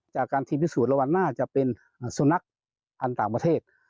จากการทีมพิสูจน์แล้วว่าน่าจะเป็นสุนัขพันธ์ต่างประเทศ